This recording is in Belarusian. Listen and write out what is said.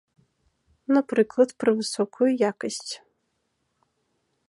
Напрыклад, пра высокую якасць.